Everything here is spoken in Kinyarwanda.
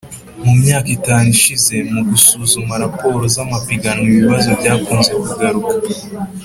Mu myaka itanu ishize mu gusuzuma raporo z amapiganwa ibibazo byakunze kugaruka